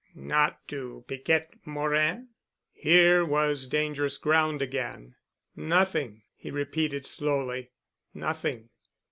"Not to Piquette Morin?" Here was dangerous ground again. "Nothing," he repeated slowly, "nothing."